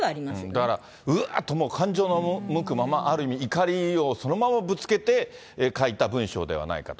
だから、うわーっともう感情の赴くまま、ある意味怒りをそのままぶつけて、書いた文書ではないかと。